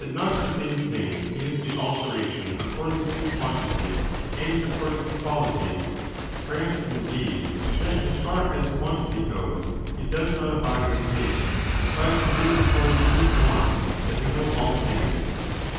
not the same thing is the alteration according to quantity and according to quality ; grant, indeed, that, as far as quan tity goes, it does not abide the same ; but it is according to form that we know all things.